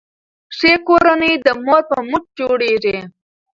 ښه کورنۍ د مور په مټ جوړیږي.